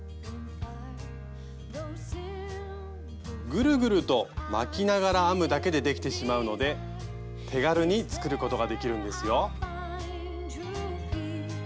ぐるぐると巻きながら編むだけでできてしまうので手軽に作ることができるんですよ。